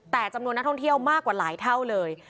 แต่จำนวนนักท่องเที่ยวมากกว่าหลายเท่าเลย